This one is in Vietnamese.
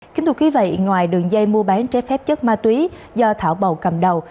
kính thưa quý vị ngoài đường dây mua bán trái phép chất ma túy do thảo bầu cầm đầu